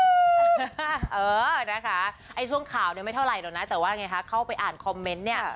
เออนะคะช่วงข่าวนี้ไม่เท่าไหร่นะแต่ว่าเข้าไปอ่านคอมเมนต์เนี่ย